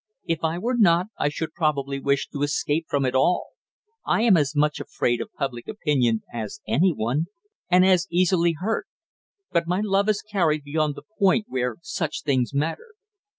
If I were not, I should probably wish to escape from it all. I am as much afraid of public opinion as any one, and as easily hurt, but my love has carried me beyond the point where such things matter!"